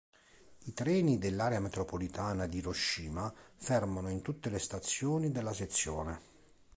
I treni dell'area metropolitana di Hiroshima fermano in tutte le stazioni della sezione.